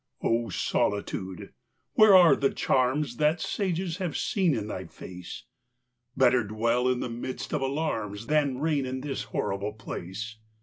0 Solitude ! where are the charms That sages have seen in thy face ? Better dwell in the midst of alarms, Than reign in this horrible place.